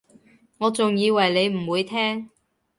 我仲以為你唔會聽